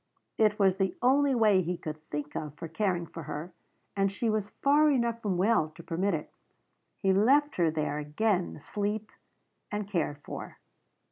It was the only way he could think of for caring for her, and she was far enough from well to permit it. He left her there, again asleep, and cared for.